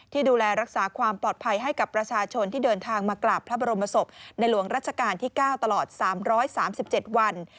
ดูแลรักษาความปลอดภัยให้กับประชาชนที่เดินทางมากราบพระบรมศพในหลวงรัชกาลที่๙ตลอด๓๓๗วัน